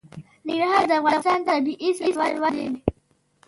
ننګرهار د افغانستان طبعي ثروت دی.